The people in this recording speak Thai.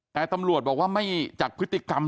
แต่ตำรวจบอกว่าไม่จากพฤติกรรม